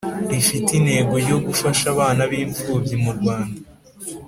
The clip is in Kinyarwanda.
rifite intego yo gufasha abana b impfubyi mu Rwanda